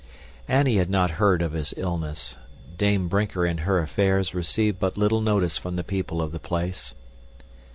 Annie had not heard of his illness. Dame Brinker and her affairs received but little notice from the people of the place.